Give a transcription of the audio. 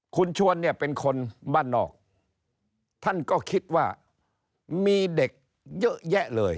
คุณชวนเนี่ยเป็นคนบ้านนอกท่านก็คิดว่ามีเด็กเยอะแยะเลย